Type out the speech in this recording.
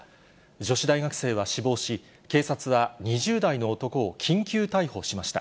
女子大学生は死亡し、警察は２０代の男を緊急逮捕しました。